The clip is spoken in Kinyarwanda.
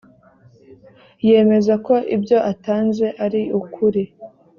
yemeza ko ibyo atanze ari ukuri